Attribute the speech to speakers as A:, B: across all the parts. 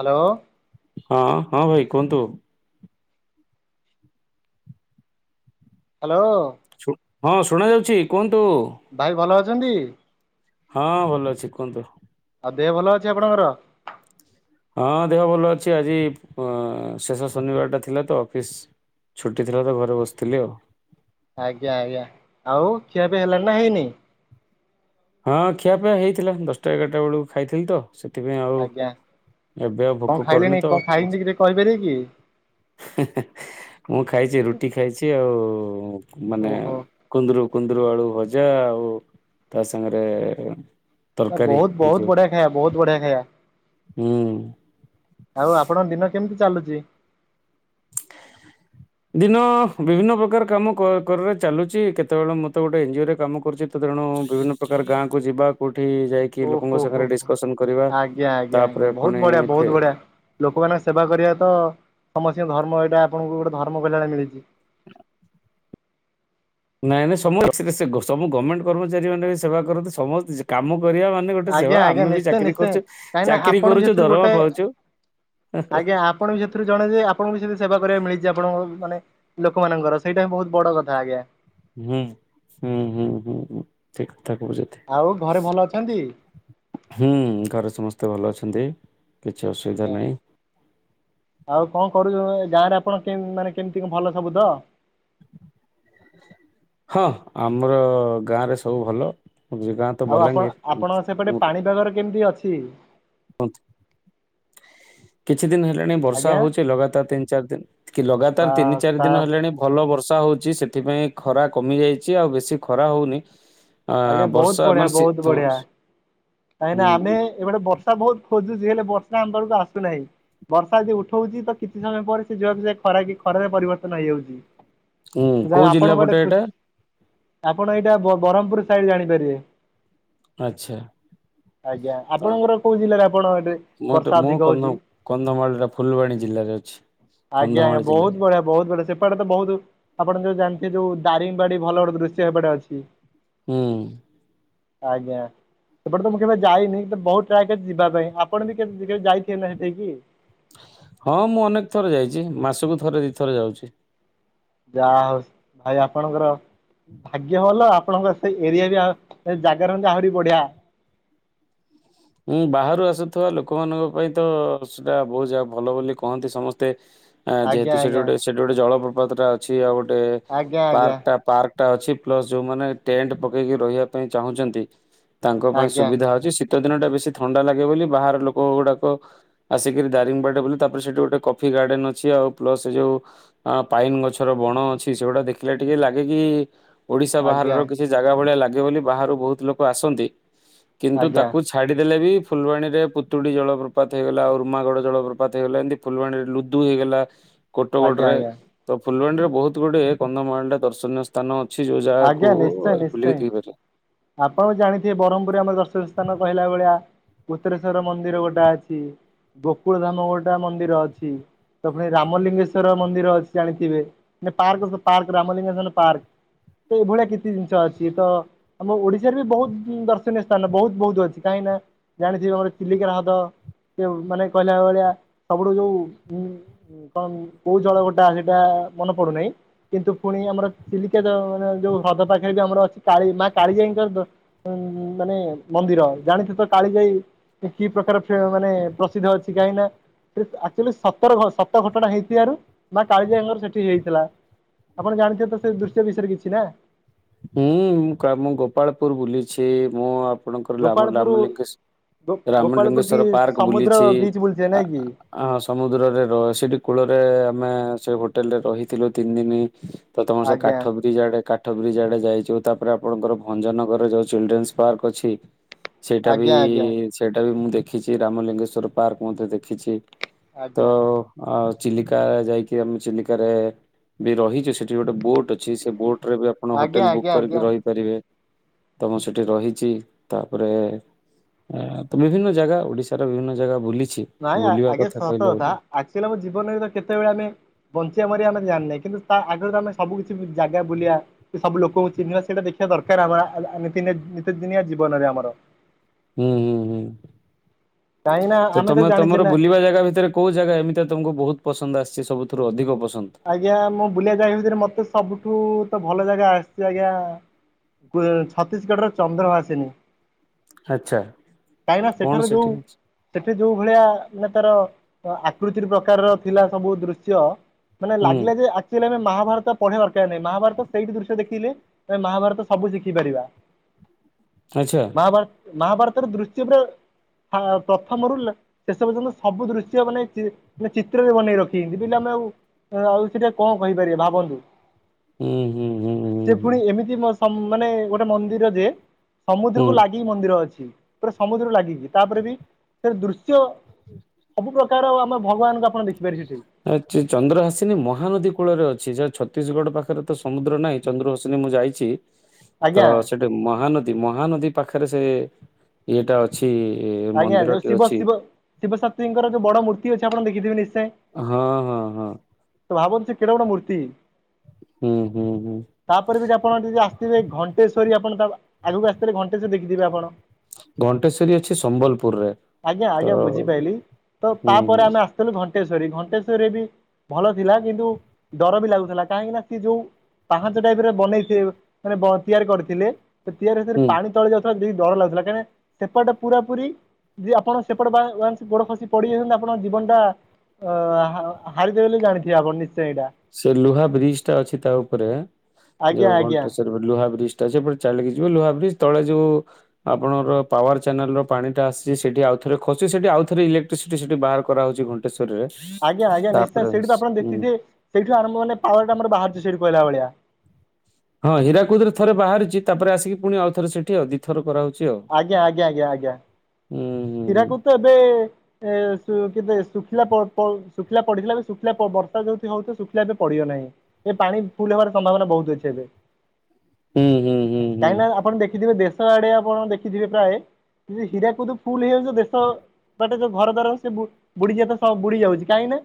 A: Hello.
B: ହଁ ହଁ ଭାଇ କୁହନ୍ତୁ।
A: ହାଲୋ।
B: ଶୁ ହଁ ଶୁଣା ଯାଉଛି କୁହନ୍ତୁ।
A: ଭାଇ ଭଲ ଅଛନ୍ତି?
B: ହଁ ଭଲ ଅଛି କୁହନ୍ତୁ।
A: ଆଉ ଦେହ ଭଲ ଅଛି ଆପଣଙ୍କର?
B: ହଁ ଦେହ ଭଲ ଅଛି ଆଜି ଶେଷ ଶନିବାରଟା ଥିଲା ତ ଅଫିସ୍ ଛୁଟି ଥିଲା ତ ଘରେ ବସିଥିଲି ଆଉ।
A: ଆଜ୍ଞା ଆଜ୍ଞା ଆଉ ଖିଆ ପିଆ ହେଲାଣି ନା ହେଇନି?
B: ହଁ ଖିଆ ପିଆ ହେଇଥିଲା ଦଶଟା ଏଗାରଟା ବେଳକୁ ଖାଇଥିଲି ତ ସେ ଥିପାଇଁ ଆଉ
A: ଆଜ୍ଞା।
B: ଏବେ ଆଉ
A: କଣ
B: ଭୋକ କରୁନି
A: ଖାଇଲେଣି
B: ତ।
A: କଣ
B: ହେଁ
A: ଖାଇଛନ୍ତି ଟିକେ କହିପାରିବେ କି?
B: ହେଁ ମୁଁ ଖାଇଚି ରୁଟି ଖାଇଚି ଆଉ ମାନେ
A: ଓହୋ
B: କୁନ୍ଦୁରୁ କୁନ୍ଦୁରୁ ଆଳୁ ଭଜା ଆଉ ତା ସାଙ୍ଗରେ
A: ଟା
B: ତରକାରୀ
A: ବହୁତ
B: ଏଇ
A: ବହୁତ
B: ଯୋଉ
A: ବଢ଼ିଆ ଖାଇବା ବହୁତ ବଢିଆ ଖାଇବା।
B: ହୁଁ।
A: ଆଉ ଆପଣଙ୍କ ଦିନ କେମିତି ଚାଲୁଚି?
B: ଦିନ ବିଭିନ୍ନ ପ୍ରକାର କାମ କର କରରେ ଚାଲୁଚି କେତବେଳେ ମତେ ଗୋଟେ ଏନଜିଓ ରେ କାମ କରୁଚି ତ ତେଣୁ ବିଭିନ୍ନ ପ୍ରକାର ଗାଁକୁ ଯିବା କଉଠି ଯାଇ
A: ଓହୋ ହୋ ହୋ ଆଜ୍ଞା ଆଜ୍ଞା ଆଜ୍ଞା
B: ତାପରେ
A: ବହୁତ
B: ପୁଣି
A: ବଢ଼ିଆ
B: ଫେ
A: ବହୁତ ବଢ଼ିଆ। ଲୋକମାନଙ୍କ ସେବା କରିବା ତ ସମସ୍ତିଙ୍କ ଧର୍ମ ଏଇଟା ଆପଣଙ୍କୁ ଗୋଟେ ଧର୍ମ କଲ୍ୟାଣ ମିଳିଚି।
B: ନାଇଁ ନାଇଁ ସମୁ [unintelligible] ସବୁ ଗମେଣ୍ଟ କର୍ମଚାରୀ ମାନେ ବି ସେବା କରନ୍ତି ସମସ୍ତେ କାମ କରିବା ମା ମାନେ ଗୋଟେ
A: ଆଜ୍ଞା
B: ସେବା
A: ଆଜ୍ଞା
B: ଆମେ ବି
A: ନିଶ୍ଚୟ
B: ଚାକିରି
A: ନିଶ୍ଚୟ
B: କରୁଚୁ
A: କାହିଁକି ନା
B: ଚାକିରୀ
A: ଆପଣ ବି
B: କରୁଚୁ
A: ସେଥିରୁ
B: ଦରମା
A: ଗୋଟେ
B: ପାଉଚୁ ହୁଁ ହୁଁ।
A: ଆଜ୍ଞା ଆପଣ ବି ସେଥିରୁ ଜଣେ ଯେ ଆପଣଙ୍କୁ ବି ସେମିତି ସେବା କରିବାକୁ ମିଳିଚି ଆପଣଙ୍କ ମାନେ ଲୋକମାନଙ୍କର ସେଇଟା ହିଁ ବହୁତ ବଡ କଥା ଆଜ୍ଞା।
B: ହୁଁ ହୁଁ ହୁଁ ହୁଁ ଠିକ କଥା କୋଉଚ
A: ଆଉ ଘରେ ଭଲ ଅଛନ୍ତି?
B: ହୁଁ ଘରେ ସମସ୍ତେ ଭଲ ଅଛନ୍ତି କିଛି ଅସୁବିଧା
A: ଆଜ୍ଞା
B: ନାହିଁ।
A: ଆଉ କଣ କରୁଚ ଗାଁରେ ଆପଣ କେମ୍ ମାନେ କେମିତି କ ଭଲ ସବୁ ତ?
B: ହଁ ଆମର ଗାଁ ରେ ସବୁ ଭଲ ଯେ ଗାଁ। ତ
A: ଆଉ ଆପଣ
B: ବଲାଙ୍ଗୀର
A: ଆପଣଙ୍କ ସେପଟେ ପାଣିପାଗର କେମିତି ଅଛି?
B: କୁହନ୍ତୁ। କିଛି ଦିନ ହେଲାଣି ବର୍ଷା
A: ଆଜ୍ଞା?
B: ହଉଛି ଲଗାତାର ତିନି ଚାରି ଦିନ କି
A: ବା
B: ଲଗାତାର ତିନି ଚାରି
A: ତା
B: ଦିନ ହେଲାଣି ଭଲ ବର୍ଷା ହଉଛି ସେଥିପାଇଁ ଖରା କମି ଯାଇଛି ଆଉ ବେଶୀ ଖରା ହଉନି। ଆ
A: ଆଜ୍ଞା ବହୁତ
B: ବର୍ଷା ମାନେ ଶୀତ
A: କାହିଁକି ନା ଆମେ ଏପଟେ ବର୍ଷା ବହୁତ ଖୋଜୁଛି ହେଲେ ବର୍ଷା ଆମ ପାଖକୁ ଆସୁନାହିଁ। ବର୍ଷା ଯଦି ଉଠଉଛି ତ କିଛି ସମୟ ପରେ ସେ ଯିବାକୁ ସେ ଖରା କି ଖରାରେ ପରିବର୍ତ୍ତନ ହେଇଯାଉଛି।
B: ହୁଁ
A: ଯାହା
B: କୋଉ
A: ଆପଣଙ୍କ
B: ଜିଲ୍ଲା
A: ଗୋଟେ
B: ପଟେ
A: ଖୁସି
B: ଏଟା?
A: ଆପଣ ଏଇଟା ବ ବ୍ରହ୍ମପୁର ସାଇଡ ଜାଣିପାରିବେ।
B: ଆଚ୍ଛା।
A: ଆଜ୍ଞା
B: ହଁ
A: ଆପଣଙ୍କର କୋଉ ଜିଲ୍ଲାରେ ଆପଣ ଏଠି ବର୍ଷା ଅଧିକ ହଉଛି?
B: କନ୍ଧମାଳ ଟା ଫୁଲବାଣୀ ଜିଲ୍ଲାରେ ଅଛି।
A: ଆଜ୍ଞା
B: କନ୍ଧମାଳ
A: ଆଜ୍ଞା ବହୁତ
B: ଜିଲ୍ଲାରେ
A: ବଢିଆ ବହୁତ ବଢିଆ ସେ ଏପଟେ ତ ବହୁତ ଆପଣ ଯୋଉ ଜାଣିଥିବେ ଯୋଉ ଦାରିଙ୍ଗବାଡି ଭଲ ଗୋଟେ ଦୃଶ୍ୟ ହେପଟେ ଅଛି।
B: ହୁଁ।
A: ଆଜ୍ଞା। ସେପଟ ତ ମୁଁ କେବେ ଯାଇନି ବହୁତ ଟ୍ରାଏ କରିଛି ଯିବା ପାଇଁ ଆପଣ ବି କେବେ ଯାଇଥିବେ ନା ସେଠକି।
B: ହଁ ମୁଁ ଅନେକ ଥରେ ଯାଇଛି ମାସକୁ ଥରେ ଦୁଇ ଥରେ ଯାଉଛି।
A: ଯାହା ହଉଛି ଭାଇ ଆପଣଙ୍କର ଭାଗ୍ୟ ଭଲ ଆପଣଙ୍କ ସେ ଏରିଆ ବି ଆଉ ସେ ଜାଗା ରୁହନ୍ତି ଆହୁରି ବଢିଆ।
B: ହଁ ବାହାରୁ ଆସୁଥିବା ଲୋକମାନଙ୍କ ପାଇଁ ତ ସେଟା ବହୁତ ଯାଗା ଭଲ ବୋଲି କହନ୍ତି ସମସ୍ତେ। ଆ
A: ଆଜ୍ଞା
B: ଯେହେତୁ ସେଠି
A: ଆଜ୍ଞା
B: ଗୋଟେ ସେଠି ଗୋଟେ ଜଳପ୍ରପାତ ଟା ଅଛି ଆଉ ଗୋଟେ
A: ଆଜ୍ଞା
B: ପାର୍କ ଟା ପାର୍କ ଟା ଅଛି ପ୍ଲସ ଯୋଉମାନେ ଟେଣ୍ଟ ପକେଇକି ରହିବା ପାଇଁ ଚାହୁଁଛନ୍ତି ତାଙ୍କ ପାଇଁ
A: ଆଜ୍ଞା ଆଜ୍ଞା
B: ସୁବିଧା ଅଛି। ସି ଦିନଟା ବେଶୀ ଥଣ୍ଡା ଲାଗେ ବୋଲି ବାହାର ଲୋକ ଗୁଡାକ ଆସିକିରି ଦରୀଙ୍ଗି ବାଡ଼ି ବୋଲେ ତାପରେ ସେଠି ଗୋଟେ କଫି ଗାର୍ଡେନ ଅଛି ଆଉ ପ୍ଲସ ସେ ଯୋଉ ଅ ପାଇନ ଗଛର ବଣ ଅଛି ସେଗୁଡା ଦେଖିଲେ ଟିକେ ଲାଗେ କି ଓଡ଼ିଶା
A: ଆଜ୍ଞା ଆଜ୍ଞା।
B: ବାହାରର କିଛି ଜାଗା ଭଳିଆ ଲାଗେ ବୋଲି ବାହାରୁ ବହୁତ ଲୋକ ଆସନ୍ତି କିନ୍ତୁ ତା
A: ଆଜ୍ଞା
B: ଛାଡ଼ି ଦେଲେ ବି ଫୁଲବାଣୀରେ ପୁତୁଡ଼ି ଜଳପ୍ରପାତ ହେଇଗଲା ଉୁମାଗଡ଼ ଜଳପ୍ରପାତ ହେଇଗଲା ଏମିତି ଫୁଲବାଣୀରେ ଲୁଦୁ ହେଇଗଲା। କୋଟଗଡ ରେ
A: ଆଜ୍ଞା
B: ତ ଫୁଲବାଣୀରେ ବହୁତ ଗୁଡେ କନ୍ଧମାଳ ଦର୍ଶନୀୟ ସା ସ୍ଥାନ ଅଛି ଯୋଉ ଜାଗହାକୁ
A: ଆଜ୍ଞା ନିଶ୍ଚୟ ନିଶ୍ଚୟ।
B: ବୁଲିକି ଦେଇପାରିବ।
A: ଆପଣ ଜାଣିଥିବେ ବ୍ରହ୍ମପୁରୀ ଆମ ଦର୍ଶନ ସ୍ଥାନ କହିଲା ଭଳିଆ ମୁତ୍ରେଶ୍ଵର ମନ୍ଦିର ଗୋଟା ଅଛି ଗୋକୁଳ ଧାମ ଗୋଟା ମନ୍ଦିର ଅଛି। ତ ପୁଣି ରାମଲିଙ୍ଗେଶ୍ୱଵର ମନ୍ଦିର ଅଛି ଜାଣିଥିବେ ପାର୍କ ପାର୍କ ରାମଲିଙ୍ଗେସ୍ୱର ପାର୍କ। ତ ଏଭଳିଆ କିଛି ଜିନିଷ ଅଛି ତ ଆମ ଓଡିଶାରେ ବି ବହୁତ ଦର୍ଶନୀୟ ସ୍ଥାନ ବହୁତ ବହୁତ ଅଛି କାହିଁକି ନା ଜାଣିଥିବ ଆମର ଚିଲିକାର ହଦ ସେ ମାନେ କହିଲା ଭଳିଆ ସବୁଠୁ ଯୋଉ ଉ ହଁ କଣ କୋଉ ଜଳ ଗୋଟା ସେଇଟା ମନେ ପଡୁନାହିଁ। କିନ୍ତୁ ପୁଣି ଆମର ଚିଲିକା ମାନେ ଯୋଉ ହ୍ରଦ ପାଖରେ ବି ଆମର ଅଛି କାଳି ମା କାଳିଜାଇଙ୍କର ଦ ମାନେ ମନ୍ଦିର ଜାଣିଥିବେ ତ କାଳିଜାଇ। କି ପ୍ରକାର ଫ ମାନେ ପ୍ରସିଦ୍ଧ ଅଛି କାହିଁକି ନା ଆକ୍ଚୁଆଲି ସତର ସତ ଘଟଣା ହେଇଥିବାରୁ ନା କାଳିଜୀ ଆଙ୍କର ସେଠି ହେଇଥିଲା। ଆପଣ ଜାଣିଥିବ ତ ସେ ଦୃଶ୍ୟ ବିଷୟରେ କିଛି ନା?
B: ହୁଁ ମୁଁ କା ଗୋପାଳପୁର ବୁଲିଛି ମୁଁ ଆ ଆପଣଙ୍କରାମ
A: ଗୋପାଳପୁର
B: ରାମଲିଙ୍ଗେଶ ରାମ
A: ଗୋପାଳପୁର ବି
B: ଲଲିଙ୍ଗେଶ୍ଵର ପାର୍କ
A: ସମୁଦ୍ର
B: ବୁଲିଛି।
A: ବିଚ୍ ବୁଲିଥିବେ ନାଇଁ କି
B: ଆଁ ସମୁଦ୍ରରେ ର- ସେଠି କୂଳରେ ଆମେ ସେ ହୋଟେଲରେ ରହିଥିଲୁ ତିନ୍ ଦିନି। ତ ତମର ସେ
A: ଆଜ୍ଞା
B: କାଠ ବ୍ରିଜ୍ ଆଡେ କାଠ ବ୍ରିଜ୍ ଆଡେ ଯାଇ ତାପରେ ଆପଣଙ୍କର ଭଞ୍ଜନଗରରେ ଯୋଉ ଚିଲଡ୍ରେନ୍ସ ପାର୍କ ଅଛି ସେଇଟା ବି
A: ଆଜ୍ଞା ଆଜ୍ଞା
B: ସେଇଟା ବି ମୁଁ ଦେଖିଚି ରାମଲିଙ୍ଗେଶ୍ଵର ପାର୍କ ମଧ୍ୟ ଦେଖିଚି ତ
A: ଆଜ୍ଞା
B: ଆଉ ଚିଲିକା ଯାଇକି ଆମେ ଚିଲିକାରେ ବି ରହିଚୁ ସେଠି ଗୋଟେ ବୋଟ୍ ଅଛି ସେ ବୋଟ୍ ରେ ବି ଆପଣ
A: ଆଜ୍ଞା ଆଜ୍ଞା ଆଜ୍ଞା।
B: ପାରିବେ ତମ ସେଠି ରହିଚି ତାପରେ ତ ବିଭିନ୍ନ ଜାଗା ଓଡିଶାର ବିଭିନ୍ନ ଜାଗା ବୁଲିଚି
A: ନାଇଁ ଆ-ଆଜ୍ଞା ସତ କଥା ଆକ୍ଚୁଆଲି ଆମ ଜୀବନରେ କେତେବେଳେ ଆମେ ବଞ୍ଚିବା ମରିବା ଆମେ ଜାଣିିନେ କିନ୍ତୁ ତା ଆଗରୁ ଆମେ ସବୁ କିଛି ଜାଗା ବୁଲିବା। ସବୁ ଲୋକଙ୍କୁ ଚିହ୍ନିବା ସେଇଟା ଦେଖିବା ଦରକାର୍ ଆମ-ଆ-ରିତି -ନିତିଦିନିଆ ଜୀବନରେ ଆମର।
B: ହୁଁ- ହୁଁ- ହୁଁ
A: କାହିଁକି ନା
B: ତ
A: ଆମେ
B: ତମେ
A: ଜାଣିଛେ
B: ତମର
A: ନା
B: ବୁଲିବା ଜାଗା ଭିତରେ କଉ ଜାଗା ଏମିତି ତମକୁ ବହୁତ ପସନ୍ଦ ଆସିଚି ସବୁଥିରୁ ଅଧିକ ପସନ୍ଦ୍?
A: ଆଜ୍ଞା ମୁଁ ବୁଲିିବା ଜାଗା ଭିତରେ ମତେ ସବୁଠୁ ତ ଭଲ ଜାଗା ଆସିଚି ଆଜ୍ଞା ଛତିଶଗଡର ଚନ୍ଦ୍ରଭାସିିନୀ।
B: ଆଚ୍ଛା।
A: କାହିଁକିନା
B: କଣ
A: ସେଠାରେ
B: ସେଠି
A: ଯଉ
B: ଅଛି?
A: ସେଠେ ଯଉ ଭଳିଆ ମାନେ ତାର ଆକୃତିର ପ୍ରକାରର ଥିଲା ସବୁ ଦୃଶ୍ୟ ମାନେ
B: ହୁଁ
A: ଲାଗିଲା ଯେ ଆକ୍ ଯେ ମହାଭାରତ ପଢିବା ଦରକାର୍ ନାହିଁ ମହାଭାରତ ସେଇଠି ଦୃଶ୍ୟ ଦେଖିଲେ ଆମେ ମହାଭାରତ ସବୁ ଶିଖିପାରିବା।
B: ଆଚ୍ଛା।
A: [unintelligible] ମହାଭାରତ- ମହାଭାରତର ଦୃଶ୍ୟ ପୁରା ପ୍ରଥମରୁ ଶେଷ ପର୍ଯ୍ୟନ୍ତ ସବୁ ଦୃଶ୍ୟ ମାନେ-ଚି- ମାନେ ଚିତ୍ରରେ ବନେଇ ରଖି [unintelligible] ଆମେ ଆଉ ଆଉ ସେଟା କଣ କହିପାରିବେ ଭାବନ୍ତୁ।
B: ହୁଁ- ହୁଁ। ହୁଁ ହୁଁ
A: ସେ
B: ହୁଁ।
A: ଫୁଣି ଏମିତି ସମ୍- ମାନେ ଗୋଟେ ମନ୍ଦିର ଯେ
B: ହୁଁ
A: ସମୁଦ୍ରକୁ ଲାଗି କି ମନ୍ଦିର ଅଛି ପୁରା ସମୁଦ୍ରକୁ ଲାଗିକି ତାପରେ ବି ସେ ଦୃଶ୍ୟ ସବୁ ପ୍ରକାର ଆମେ ଭଗବାନଙ୍କୁ ଆପଣ ଦେଖିପାରେ ସେଠି।
B: ଆଚି ଚନ୍ଦ୍ରଭାସିିନୀ ମହାନଦୀ କୂଳରେ ଅଛି ଯେ ଛତିଶଗଡ ପାଖରେ ତ ସମୁଦ୍ର ନାହିଁ ଚନ୍ଦ୍ରଭାସିିନୀ ମୁଁ ଯାଇଚି। ତ
A: ଆଜ୍ଞା
B: ସେଠି ମହାନଦୀ- ମହାନଦୀ ପାଖେରେ ସେ ଇଏଟା ଅଛି
A: ଆଜ୍ଞା ଯୋଉ
B: ମନ୍ଦିରଟି
A: ଶିବ
B: ଅଛି।
A: ଶିବ ଶିବଶାତ୍ରୀଙ୍କର ଯଉ ବଡ ମୂର୍ତ୍ତି ଅଛି ଆପଣ ଦେଖିଥିବେ ନିଶ୍ଚୟ।
B: ହଁ -ହଁ। ହଁ
A: ତ ଭାବୁନ୍ତୁ ସେ କେଡେ ବଡ ମୂର୍ତ୍ତି।
B: ହୁଁ ହୁଁ ହୁଁ।
A: ତାପରେ ବି ଯଦି ଆପଣ ଯଦି ଆସିଥିବେ ଘଣ୍ଟେଶ୍ଵରୀ ଆପଣ ତା ଆଗକୁ ଆସିିଥିଲେ ଘଣ୍ଟେଶ୍ଵରୀ ଦେଖିଥିଲେ ଆପଣ।
B: ଘଣ୍ଟେଶ୍ଵରୀ ଅଛି ସମ୍ବଲପୁର୍ ରେ।
A: ଆଜ୍ଞା -ଆଜ୍ଞା ବୁଝିପାଇଲି ତ
B: ହୁଁ
A: ତାପରେ ଆମେ ଆସ୍ ଥିଲୁ ଘଣ୍ଟେଶ୍ଵରୀ -ଘଣ୍ଟେଶ୍ଵରୀରେ ବି ଭଲ ଥିଲା କିନ୍ତୁ ଡର ବି ଲାଗୁଥିଲା କାହିଁକି ନା ସିଏ ଯଉ ପାହାଞ୍ଚ ଟାଇପ୍ ର ବନେଇ ଥି-ମାନେ ତିଆରି କରିଥିଲେ ତ ତିଆରି ସେଥିରେ
B: ହୁଁ
A: ପାଣି ତଳେ ଯାଉଥିଲା ଦେଖି ଡର ଲାଗୁଥିଲା କାଁହିକି ନା ସେପଟ ଟା ପୁରା ପୁରି ଯଦି ଆପଣ ସେପଟ ଗୋଡ ଖସି ପଡି ଯାଇଚନ୍ତି ଆପଣଙ୍କ ଜୀବନ୍ ଟା ଅ- ହା-ହାରିଦେବେ ବୋଲି ଜାଣିଥିବେ ଆପଣ ନିଶ୍ଚୟ ଏଇଟା।
B: ସେ ଲୁହା ବ୍ରିଜ୍ ଟା ଅଛି ତା ଉପରେ ଯଉ
A: ଆଜ୍ଞା ଆଜ୍ଞା
B: ଘଣ୍ଟେଶ୍ଵରୀ ଲୁହା ବ୍ରିଜ୍ ଟା ଅ ସେଟେ ଚାଲିକି ଯିବ ଲୁହା ବ୍ରିଜ୍ ତଳେ ଯୋଉ ଆପଣର ପାୱାର ଚାନେଲର ପାଣିଟା ଆସିଛି ସେଠି ଆଉଥ ଖୁଛି ସେଠି ଆଉଥରେ ଇଲେକ୍ଟ୍ରିସିଟି ସେଠି ବାହାର କରାହଉଛି ଘଣ୍ଟି କେଶରିରେ ତାପରେ ହୁଁ।
A: ସେଇଠ ଆରଭ ମାନ ପାୱାର ଟାମ ବାାରୁଛ ସେଇଠୁ କହିଲ ଭଳିଆ।
B: ହଁ ହୀରା କୋଦରେ ଥରେ ବାହାରିଛି ତାପରେ ଆସିକି ପୁଣି ଆଉଥ ସେଠି ଆ ଦି ଥ କରହଉଛି ଆଉ।
A: ଆଜ୍ଞା ଆଜ୍ଞା ଆଜ୍ଞା ଆଜ୍ଞା।
B: ହୁଁ
A: କୀରାକୁ
B: ହୁଁ
A: ତ ଏବେ ଏ କେେ ଶୁଖିଲା ଶୁଖିଲା ପଡିଥିଲା ବି ଶୁଖିଲା ବର୍ଷା ଯୋଉଠି ହଉଥ ଶୁଖିଲା ଏବେ ପଡିବ ନାହିଁ। ଏ ପାଣି ଫୁଲ ହେବାର ସମ୍ଭାବନା ବହୁତ ଅଛି ଆଜ୍ଞା।
B: ହୁଁ ହୁଁ ହୁଁ। ହୁଁ
A: କାହିଁକି ନା ଆପଣ ଦେଖିଥିବେ ଦେଶ ଆଡେ ଆପଣ ଦେଖିଥିବେ ପ୍ରାୟ ହୀରାକୁଦୁ ଫୁଲ ହେଇଯାଉ ଦେଶ ବାଟେ ଯଉ ଘର ଦ୍ଵାର ସେ ବୁଡିଯ ବୁଡି ଯାଉଛି କାହିଁକି ନା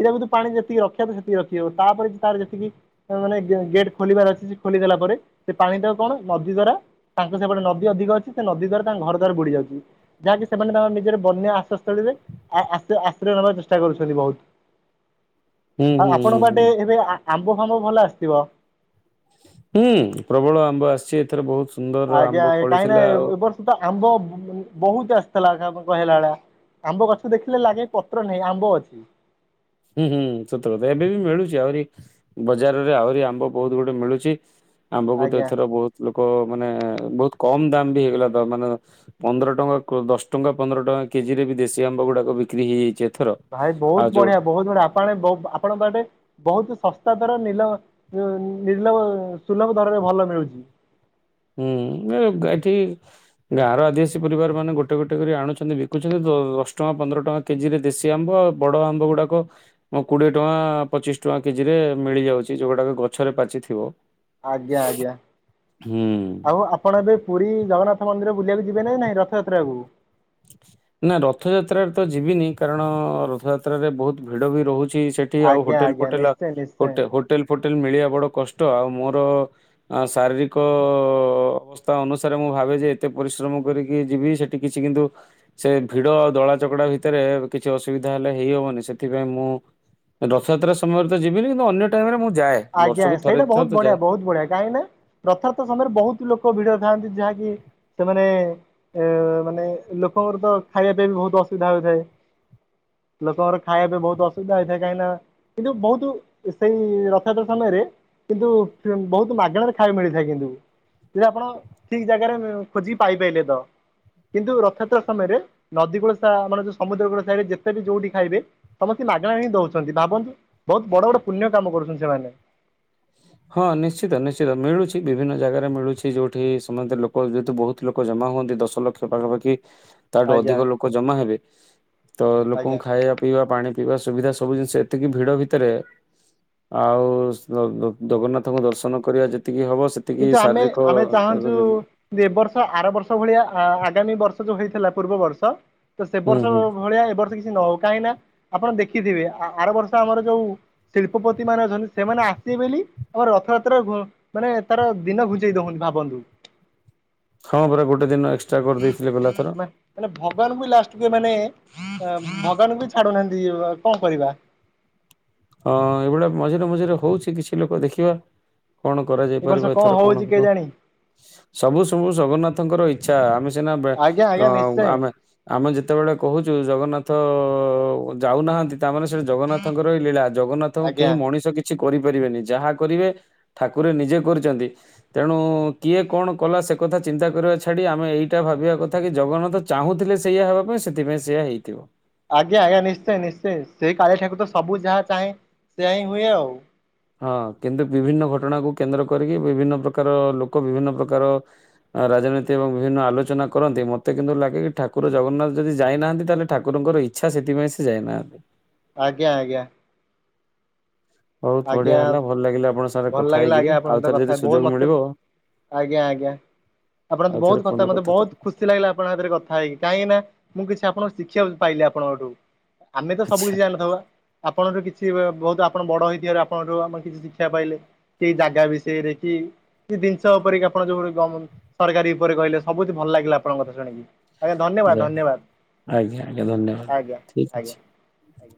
A: ହୀରାକୁଦ ପାଣି ଯେତିକି ରଖିବା ତ ସେତିକି ରଖିବ ତାପରେ ତାର ଯେତିକି ମାନେ ଗେଟ୍ ଖୋଲିବାର ଅଛି ସେ ଖୋଲିଦଲା ପରେ ସେ ପାଣି ତ କଣ ନଦୀ ଦ୍ଵାରା ତାଙ୍କ ସେପଟେ ନଦୀ ଅଧିକ ଅଛି ସେ ନଦୀ ଦ୍ଵାରା ତାଙ୍କ ଘର ଦ୍ୱାର ବୁଡି ଯାଉଛି। ଯାହାକି ସେମାନେ ତାମର ନିଜର ବନ୍ୟା ଆଶ୍ରୟସ୍ଥଳୀରେ ଆଶ୍ରୟ ନେବାାର ଚେଷ୍ଟା କରୁଛନ୍ତି ବହୁତ।
B: ହୁଁ
A: ଆଉ
B: ହୁଁ ହୁଁ
A: ଆପଣଙ୍କ
B: ହୁଁ।
A: ବାଟେ ଏବେ ଆମ୍ବ ଫାମ୍ବ ଭଲ ଆସିଥିବ?
B: ହୁଁ ପ୍ରବଳ ଆମ୍ବ ଆସିଛି ଏଥର ବହୁତ ସୁନ୍ଦର
A: ଆଜ୍ଞା
B: ଆମ୍ବ
A: ଆଜ୍ଞା
B: କଳି
A: କାହିଁକି ନା
B: ଥିଲା
A: ଏ
B: ଆଉ।
A: ଏ ବର୍ଷ ତ ଆମ୍ବ ବହୁତ ଆସିଥିଲା କହିଲା ବେଳା। ଆମ୍ବ ଗଛ ଦେଖିଲେ ଲାଗେ ପତ୍ର ନାହିଁ ଆମ୍ବ ଅଛି।
B: ହୁଁ ହୁଁ ସତର୍କତା ଏବେ ବି ମିଳୁଚି ଆହୁରି ବଜାରରେ ଆହୁରି ଆମ୍ବ ବହୁତ ଗୁଟେ ମିଳୁଛି ଆମ୍ବକୁ ତ
A: ଆଜ୍ଞା
B: ଏଥର ବହୁତ ଲୋକ ମାନେ ବହୁତ କମ ଦାମ ବି ହେଇଗଲା ତ ମାନେ ପନ୍ଦର ଟଙ୍କା ଦଶ ଟଙ୍କା ପନ୍ଦର ଟଙ୍କା କେଜି ରେ ବି ଦେଶୀ ଆମ୍ବ ଗୁଡାକ ବିକ୍ରି ହେଇଯାଇଛି ଏଥର।
A: ଭାଇ
B: ଆଉ
A: ବହୁତ
B: ଯୋଉ
A: ବଢିଆ ବହୁତ ବଢିଆ ଆପଣ ଆପଣଙ୍କ ପାଇଁ ବେ ବହୁତ ଶସ୍ତା ଦର ନିଲ ନିଲ ସୁଲଭ ଦରରେ ଭଲ ମିଳୁଛି।
B: ହୁଁ ଏ ଏଠି। ଗାଁର ଆଦିବାସୀ ପରିବାର ମାନେ ଗୋଟେ ଗୋଟେ କରି ଆଣୁଛନ୍ତି ବିକୁଛନ୍ତି ଦଶ ଟଙ୍କା ପନ୍ଦର ଟଙ୍କା। କେଜିରେ ଦେଶୀ ଆମ୍ବ ଆଉ ବଡ଼ ଆମ୍ବ ଗୁଡ଼ାକ ମୁଁ କୋଡିଏ ଟଙ୍କା ପଚିଶ ଟଙ୍କା କେଜି ରେ ମିଳିଯାଉଛି ଯଉଗୁଡାକ ଗଛରେ ପାଚିଥିବ।
A: ଆଜ୍ଞା ଆଜ୍ଞା।
B: ହୁଁ।
A: ଆଉ ଆପଣ ଏବେ ପୁରୀ ଜଗନ୍ନାଥ ମନ୍ଦିର ବୁଲିବାକୁ ଯିବେ ନାାଇ ନାଇଁ ରଥଯାତ୍ରା?
B: ନା ରଥଯାତ୍ରାରେ ତ ଯିବିନି କାରଣ ରଥଯାତ୍ରାରେ ବହୁତ ଭିଡ ବି ରହୁଛି ସେ ସେଠି ଆଉ
A: ଆଜ୍ଞା
B: ହୋଟେଲ
A: ଆଜ୍ଞା
B: ଫୋଟେଲ
A: ନିଶ୍ଚୟ ନିଶ୍ଚୟ।
B: ହୋଟେଲ ଫୋଟେଲ ମିଳିବା ବଡ କଷ୍ଟ ଆଉ ମୋର ଆ ଶାରୀରିକ ଅ ଅ ଅବସ୍ଥା ଅନୁସାରେ ମୁଁ ଭାବେ ଯେ ଏତେ ପରିଶ୍ରମ କରିକି ଯିବି ସେଠି କିଛି କିନ୍ତୁ ସେ ଭିଡ ଆଉ ଦଳା ଚକଡା ଭିତରେ କିଛି ଅସୁବିଧା ହେଲେ ହେଇ ହବନି ସେଥିପାଇଁ ମୁଁ ରଥଯାତ୍ରା ସମୟରେ ତ ଯିବିନି କିନ୍ତୁ ଅନ୍ୟ ଟାଇମ ରେ ମୁଁ ଯାଏ
A: ଆଜ୍ଞା
B: ବର୍ଷକୁ ଥରେ
A: ସେଟ୍ଟା
B: ଦି ଥର
A: ବହୁତ
B: ତ ଯାଏ।
A: ବଢିଆ ବହୁତ ବଢିଆ କାହିଁକି ନା ରଥ ଯାତ୍ରା ସମୟରେ ବହୁତ ଲୋକ ଭିଡରେ ଥାଆନ୍ତି ଯାହାକି ସେମାନେ ମାନେ ଲୋକଙ୍କର ତ ଖାଇବା ପିଇବା ବି ବହୁତ ଅସୁବିଧା ହୋଇଥାଏ। ଲୋକଙ୍କର ଖାଇବା ପାଇଁ ବହୁତ ଅସୁବିଧା ହେଇଥାଏ କାହିଁକି ନା କିନ୍ତୁ ବହୁତ ସେଇ ରଥଯାତ୍ରା ସମୟରେ କିନ୍ତୁ ବହୁତ ମାଗଣାରେ ଖାଇବାକୁ ମିଳିଥାଏ କିନ୍ତୁ ଯଦି ଆପଣ ଠିକ ଜାଗାରେ ଖୋଜିକି ପାଇପାରିଲେ ତ। କିନ୍ତୁ ରଥଯାତ୍ରା ସମୟରେ ନଦୀ ଗୋଳ ମାନେ ଯୋଉ ସମୁଦ୍ର ଗୋଳ ସାହିରେ ଯେତେ ବି ଯୋଉଠି ଖାଇବେ ସମସ୍ତେ ମାଗଣା ହିଁ ଦଉଛନ୍ତି ଭାବନ୍ତୁ ବହୁତ ବଡ ବଡ ପୁଣ୍ୟ କାମ କରୁଛନ୍ତି ସେମାନେ।
B: ହଁ ନିଶ୍ଚିତ ନିଶ୍ଚିତ ମିଳୁଛି ବିଭିନ୍ନ ଜାଗାରେ ମିଳୁଛି ଯୋଉଠି ସମସ୍ତେ ଲୋକ ଯେହେତୁ ବହୁ ଲୋକ ଜମା ହୁଅନ୍ତି ଦଶ ଲକ୍ଷ ପାଖାପାଖି। ତାଠୁ
A: ଆଜ୍ଞା
B: ଅଧିକ ଲୋକ ଜମା ହେବେ ତ ଲୋକଙ୍କୁ
A: ଆଜ୍ଞା।
B: ଖାଇବା। ପିଇବା ପାଣି ପିଇବା ସୁବିଧା ସବୁ ଜିନିଷ ଏତିକି ଭିଡ ଭିତରେ ଆଉ [unintelligible] ଜଗନ୍ନାଥଙ୍କୁ ଦର୍ଶନ କରିବା ଯେତିକି ହବ ସେ
A: କିନ୍ତୁ ଆମେ ଆମେ ଚାହୁଁଛୁ। ଏ ବର୍ଷ ଆର ବର୍ଷ ଭଳିଆ ଆ-ଆଗାମୀ ବର୍ଷ ଯୋଉ ହେଇଥିଲା ପୂର୍ବ ବର୍ଷ। ତ ସେ
B: ହୁଁ
A: ବର୍ଷ
B: ହୁଁ
A: ଭଳିଆ ଏ ବର୍ଷ କିଛି ନ ହଉ କାହିଁକି ନା ଆପଣ ଦେଖିଥିବେ ଆ-ଆର ବର୍ଷ ଆମର ଯୋଉ। ଶିଳ୍ପପତି ମାନେ ଅଛନ୍ତି ସେମାନେ ଆସିବେ ବୋଲି ଆମର ରଥଯାତ୍ରାକୁ ମାନେ। ତାର ଦିନ ଘୁଞ୍ଚେଇ ଦଉଛନ୍ତି ଭାବନ୍ତୁ।
B: ହଁ ପରା ଗୋଟେ ଦିନ ଏକ୍ସଟ୍ରା କରିଦେଇଥିଲେ ଗଲାଥର।
A: ମା ମାନେ ଭଗବାନଙ୍କୁ ବି ଲାଷ୍ଟକୁ ଏମାନେ ଆ ଭଗବାନଙ୍କୁ ବି ଛାଡୁନାହାନ୍ତି [unintelligible] କଣ କରିବା।
B: ହଁ ଏଇଭଳିଆ ମଝିରେ ମଝିରେ ହଉଛି କିଛି ଲୋକ ଦେଖିବା। କଣ
A: ଏ ବର୍ଷ
B: କରାଯାଇପାରିବ ଏଥର କଣ
A: ହଉଛି
B: ହବ।
A: କେଜାଣି
B: ସବୁ ସବୁ ଜଗନ୍ନାଥଙ୍କର ଇଚ୍ଛା ଆମେ ସିନା ବେ
A: ଆଜ୍ଞା
B: ଅ
A: ଆଜ୍ଞା ନିଶ୍ଚୟ
B: ଆମେ। ଆମେ ଯେତେବେଳେ କହୁଛୁ ଜଗନ୍ନାଥ ଯାଉନାହାନ୍ତି ତାମାନେ ସେ ଜଗନ୍ନାଥଙ୍କର ଲୀଳା। ଜଗନ୍ନାଥଙ୍କୁ
A: ଆଜ୍ଞା
B: କେହି ମଣିଷ କିଛି କରିପାରିବେନି ଯାହା କରିବେ ଠାକୁର ନିଜେ କରୁଛନ୍ତି। ତେଣୁ କିଏ କଣ କଲା ସେ କଥା ଚିନ୍ତା କରିବା ଛାଡି ଆମେ ଏଇଟା ଭାବିବା କଥା କି ଜଗନ୍ନାଥ। ଚାହୁଁଥିଲେ ସେଇୟା ହେବା ପାଇଁ ସେଥିପାଇଁ ସେଇଆ ହେଇଥିବ।
A: ଆଜ୍ଞା ଆଜ୍ଞା ନିଶ୍ଚୟ ନିଶ୍ଚୟ ସେଇ କାଳିଆ ଠାକୁର ତ ସବୁ ଯାହା ଚାହେଁ ସେୟା ହିଁ ହୁଏ ଆଉ।
B: ହଁ କିନ୍ତୁ ବିଭିନ୍ନ ଘଟଣାକୁ କେନ୍ଦ୍ର କରିକି ବିଭିନ୍ନ ପ୍ରକାର ଲୋକ ବିଭିନ୍ନ ପ୍ରକାର। ଆ ରାଜନୀତି ଏବଂ ବିଭିନ୍ନ ଆଲୋଚନା କରନ୍ତି ମୋତେ କିନ୍ତୁ ଲାଗେ କି ଠାକୁର ଜଗନ୍ନାଥ ଯଦି ଯାଇନାହାନ୍ତି ତାହେଲେ ଠାକୁରଙ୍କର ଇ ଚ୍ଛା ସେଥିପାଇଁ ସେ ଯାଇ ନାହାନ୍ତି।
A: ଆଜ୍ଞା ଆଜ୍ଞା।
B: ବହୁତ
A: ଆଜ୍ଞା
B: ବଢିଆ ହେଲା ଭଲ ଲାଗିଲା ଆପଣ ସାଙ୍ଗରେ
A: ଭଲ
B: କ
A: ଲାଗିଲା ଆଜ୍ଞା ଆପଣଙ୍କ ସହିତ କଥା ବହୁତ ମତେ ଆଜ୍ଞା ଆଜ୍ଞା। ଆପଣ
B: ଆଉ ଥରେ
A: ବହୁତ କଥା
B: ଫୋନରେ
A: ମତେ ବହୁତ
B: କଥାବାର୍ତ୍ତା
A: ଖୁସ ଲାଗିଲା ଆପଣ ଙ୍କ ସାଥିରେ କଥା ହେଇକି କାହିଁକି ନା ମୁଁ କିଛି ଆପଣ ଶିକ୍ଷା ପାଇଲି ଆପଣଙ୍କଠୁ। ଆମେ ତ ସବୁ
B: ଆଚ୍ଛା
A: କିଛି ଜାଣିିନଥିବା ଆପଣର କିଛି ବେ ବହୁତ ଆପଣ ବଡ ହେଇଥିବାର ଆପଣଙ୍କ ଠୁ ଆମେ କିଛି ଶୀ କ୍ଷା ପାଇଲେ କି ଜାଗା ବିଷୟରେ କି। କି ଜିନିଷ ଉପରେ କିି ଆପଣ ଯୋଉ ଏଇ ଗମ ସରକାରୀ ଉପରେ କହିଲେ ସବୁ କିଛି ଭଲ ଲାଗିଲା ଆପଣଙ୍କ କଥା ଶୁଣିକି। ଆଜ୍ଞା ଧନ୍ୟବାଦ
B: ଯା
A: ଧନ୍ୟବାଦ
B: ଆଜ୍ଞା ଆଜ୍ଞା ଧନ୍ୟବାଦ
A: ଆଜ୍ଞା
B: ଠିକ ଅଛି।
A: ଆଜ୍ଞା। ଆଜ୍ଞା।